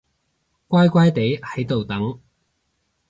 乖乖哋喺度等